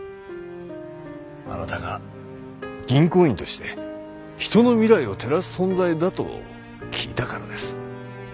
あなたが銀行員として人の未来を照らす存在だと聞いたからです。